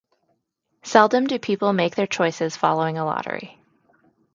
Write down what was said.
Seldom do people make their choices following a lottery.